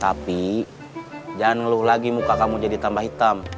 sapi jangan ngeluh lagi muka kamu jadi tambah hitam